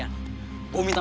mas ada misi